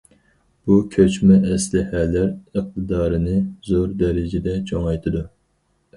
بۇ كۆچمە ئەسلىھەلەر ئىقتىدارنى زور دەرىجىدە چوڭايتىدۇ.